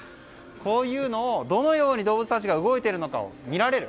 こういうのでどのように動物たちが動いているのかを見られる。